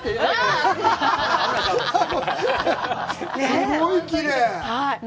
すごいきれい！